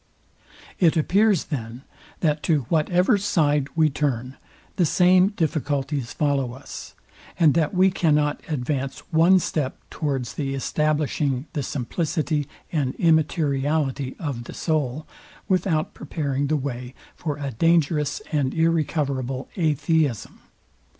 It appears, then, that to whatever side we turn, the same difficulties follow us, and that we cannot advance one step towards the establishing the simplicity and immateriality o the soul, without preparing the way for a dangerous and irrecoverable atheism.